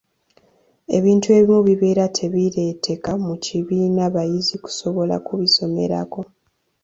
Ebintu ebimu bibeera tebireeteka mu kibiina bayizi kusobola kubisomerako.